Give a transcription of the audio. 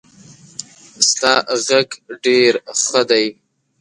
ستا غږ ډېر ښه دی.